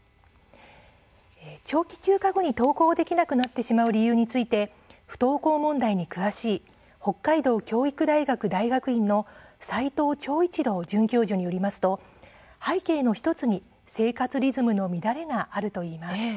長期休暇後に登校ができなくなってしまう理由について不登校問題に詳しい北海道教育大学大学院の齋藤暢一朗准教授によりますと背景の１つに生活リズムの乱れがあるといいます。